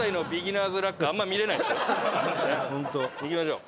「いきましょう」